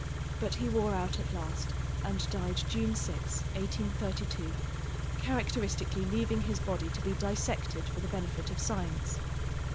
But he wore out at last, and died June 6, 1832, characteristically leaving his body to be dissected for the benefit of science.